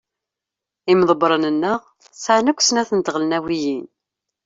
Imḍebṛen-nneɣ sɛan akk snat n tɣelnawiyin.